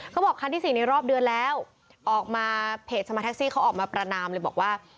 เขาบอกคันที่๔ในรอบเดือนแล้วออกมาเพจสมาแท็กซี่เขาออกมาประนามเลยบอกว่า